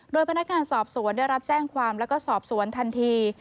โดยพนักงานสอบสวนได้รับแจ้งความแล้วก็สอบสวนทันที